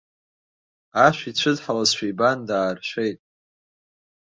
Ашә ицәыдҳалазшәа ибан дааршәеит.